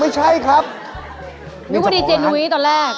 นี่เจ้าของร้านนี่คุณดีเจนุ๊ยตอนแรก